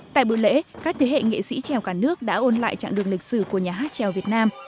tại bữa lễ các thế hệ nghệ sĩ trèo cả nước đã ôn lại trạng đường lịch sử của nhà hát trèo việt nam